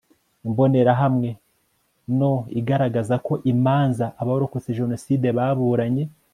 imbonerahamwe no iragaragaza ko imanza abarokotse jenoside baburanye